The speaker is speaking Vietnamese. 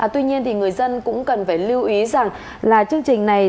tuy nhiên người dân cũng cần phải lưu ý rằng là chương trình này